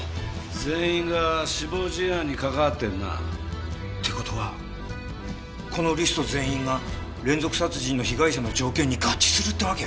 全員が死亡事案に関わってるな。って事はこのリスト全員が連続殺人の被害者の条件に合致するってわけ？